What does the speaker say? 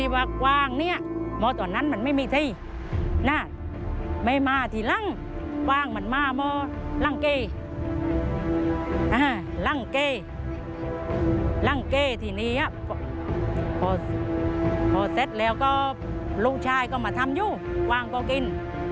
พอกว้างเสร็จแล้วก็ลูกชายก็มาทำอยู่ว่างก็กิน